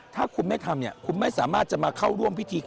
ถ้าคุณไม่ทำเนี่ยคุณไม่สามารถจะมาเข้าร่วมพิธี